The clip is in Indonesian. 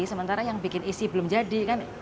sementara yang bikin isi belum jadi kan